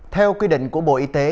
theo quy định của bộ y tế